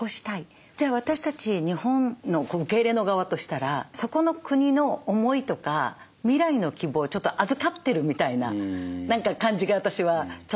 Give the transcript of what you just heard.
じゃあ私たち日本の受け入れの側としたらそこの国の思いとか未来の希望をちょっと預かってるみたいな何か感じが私はちょっとあって。